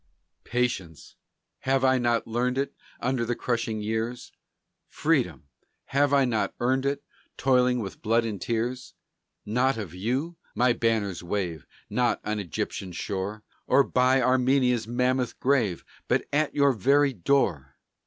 "Patience?" have I not learned it, Under the crushing years? Freedom have I not earned it, Toiling with blood and tears? "Not of you?" my banners wave Not on Egyptian shore, Or by Armenia's mammoth grave But at your very door!